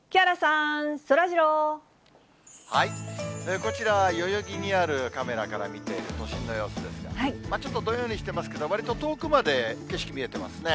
こちらは代々木にあるカメラから見ている都心の様子ですが、ちょっとどんよりしてますけど、そうですね。